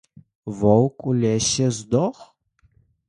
Воўк у лесе здох?